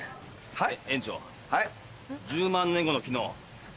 はい？